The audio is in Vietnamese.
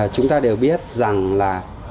chúng ta đều biết rằng là